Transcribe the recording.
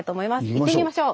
行ってみましょう。